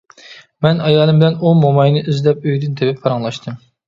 مەن ئايالىم بىلەن ئۇ موماينى ئىزدەپ ئۆيىدىن تېپىپ پاراڭلاشتىم.